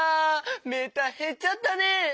メーターへっちゃったね。